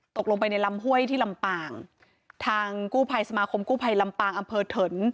ตกลงไปในลำห้วยที่ลำปางทางกู้ภัยสมาคมกู้ภัยลำปางอำเภอเถิน